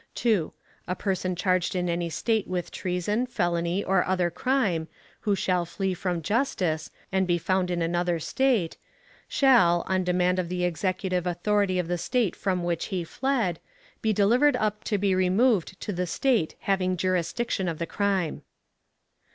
2. A person charged in any State with treason, felony, or other crime, who shall flee from justice, and be found in another State, shall, on demand of the Executive authority of the State from which he fled, be delivered up to be removed to the State having jurisdiction of the crime.